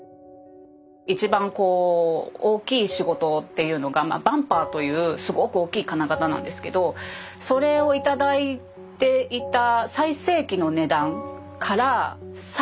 一番こう大きい仕事っていうのがバンパーというすごく大きい金型なんですけどそれを頂いていた最盛期の値段から最終的に半値になった感じですね。